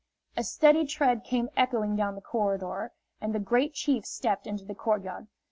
A steady tread came echoing down the corridor, and the Great Chief stepped into the court yard.